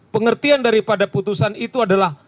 pengertian daripada putusan itu adalah